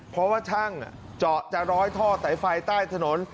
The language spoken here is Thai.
เพราะว่าช่างเจาะจะร้อยท่อไตไฟใต้ถนน